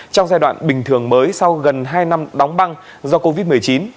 trong giai đoạn bình thường mới sau gần hai năm đóng băng do covid một mươi chín